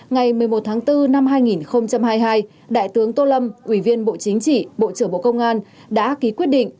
ngày một mươi một tháng bốn năm hai nghìn hai mươi hai đại tướng tô lâm ủy viên bộ chính trị bộ trưởng bộ công an đã ký quyết định